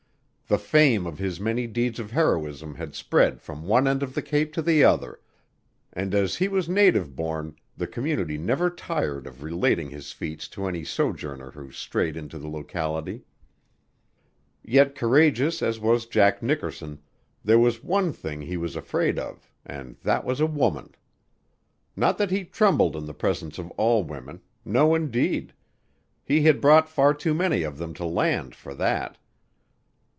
The fame of his many deeds of heroism had spread from one end of the Cape to the other, and as he was native born the community never tired of relating his feats to any sojourner who strayed into the locality. Yet courageous as was Jack Nickerson, there was one thing he was afraid of and that was a woman. Not that he trembled in the presence of all women no, indeed! He had brought far too many of them to land for that.